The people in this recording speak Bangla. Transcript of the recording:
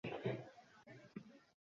বড় হলে তুমিও বুঝবে।